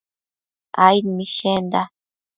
aid mishenda